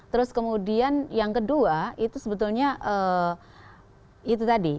terus kemudian yang kedua itu sebetulnya itu tadi